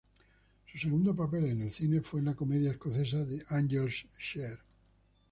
Su segundo papel en el cine fue en la comedia escocesa "The Angels' Share".